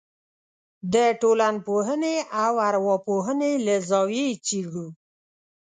د ټولنپوهنې او ارواپوهنې له زاویې یې څېړو.